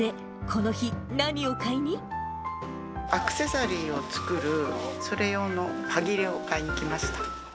で、アクセサリーを作る、それようの端切れを買いにきました。